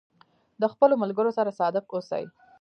د خپلو ملګرو سره صادق اوسئ.